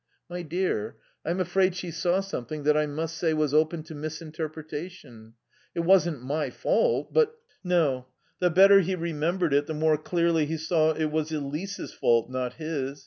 "My dear, I'm afraid she saw something that I must say was open to misinterpretation. It wasn't my fault, but " No. The better he remembered it the more clearly he saw it was Elise's fault, not his.